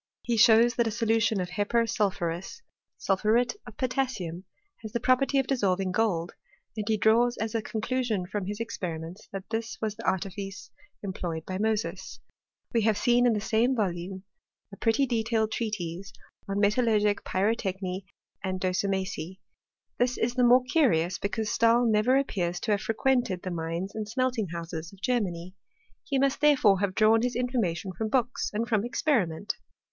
He shows that a solution of hepar snl phuria (sulpkuret of potassiuta), has the property of dissolving gold, and he draws as a conclusion from his experiments that this was the artifice employed by Mosea. We have in the same volume a pretty detailed treatise on metallurgic pyrotechny and docimasy. Th» IB the more curious, because Stahl never appears to have frequented the mines and smelting ho uses of Germany. He must, therefore, have drawn his in formation from books and from experiment.